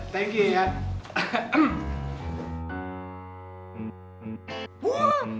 thank you ian